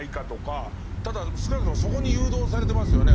ただ少なくともそこに誘導されてますよね